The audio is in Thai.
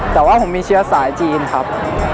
แต่ว่าผมมีเชื้อสายจีนครับ